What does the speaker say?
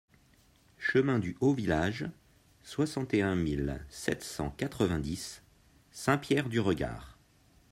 Chemin du Haut Village, soixante et un mille sept cent quatre-vingt-dix Saint-Pierre-du-Regard